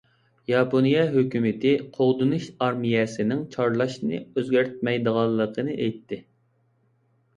ياپونىيە ھۆكۈمىتى قوغدىنىش ئارمىيەسىنىڭ چارلاشنى ئۆزگەرتمەيدىغانلىقىنى ئېيتتى.